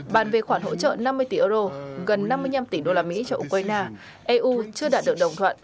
bàn về khoản hỗ trợ năm mươi tỷ euro gần năm mươi năm tỷ đô la mỹ cho ukraine eu chưa đạt được đồng thuận